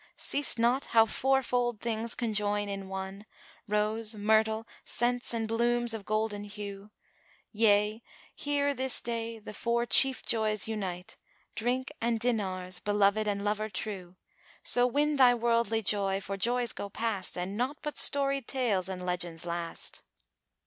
Seest not how four fold things conjoin in one * Rose, myrtle, scents and blooms of golden hue.[FN#432] Yea, here this day the four chief joys unite * Drink and dinars, beloved and lover true: So win thy worldly joy, for joys go past * And naught but storied tales and legends last."